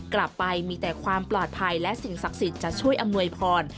กลับไปมีแต่ความปลอดภัยและสิ่งศักดิ์สิทธิ์จะช่วยอำนวยพร